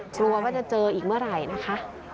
กลัวว่าจะเจออีกเมื่อไหร่นะคะ